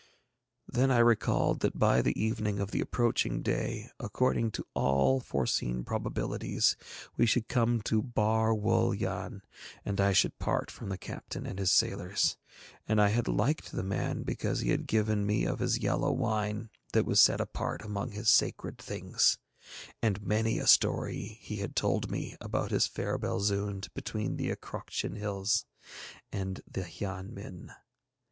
Then I recalled that by the evening of the approaching day, according to all foreseen probabilities, we should come to Bar Wul Yann, and I should part from the captain and his sailors. And I had liked the man because he had given me of his yellow wine that was set apart among his sacred things, and many a story he had told me about his fair Belzoond between the Acroctian hills and the Hian Min.